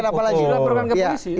tidak perangkap polisi